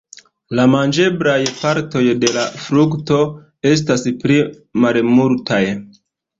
La manĝeblaj partoj de la frukto estas pli malmultaj.